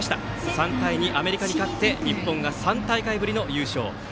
３対２、アメリカに勝って日本が３大会ぶりの優勝。